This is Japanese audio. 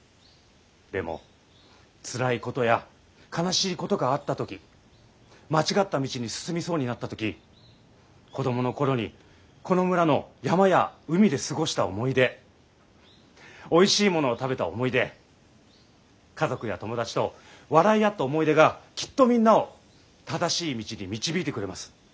でもつらいことや悲しいことがあった時間違った道に進みそうになった時子供の頃にこの村の山や海で過ごした思い出おいしいものを食べた思い出家族や友達と笑い合った思い出がきっとみんなを正しい道に導いてくれます。